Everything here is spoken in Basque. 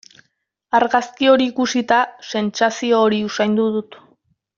Argazki hori ikusita sentsazio hori usaindu dut.